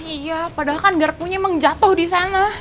iya padahal kan garpunya memang jatuh di sana